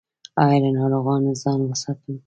ایا له ناروغانو ځان وساتم؟